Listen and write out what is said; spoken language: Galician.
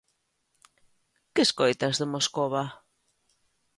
Que escoitas de Moscova?